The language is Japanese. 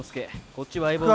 こっちは相棒の。